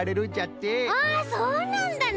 あそうなんだね！